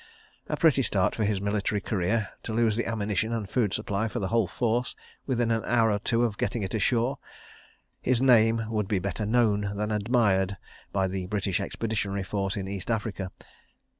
A pretty start for his military career—to lose the ammunition and food supply for the whole force within an hour or two of getting it ashore! His name would be better known than admired by the British Expeditionary Force in East Africa.